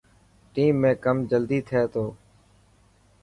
ٽيم ۾ ڪم جلدي ٿي ٿو.